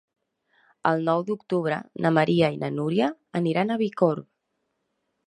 El nou d'octubre na Maria i na Núria aniran a Bicorb.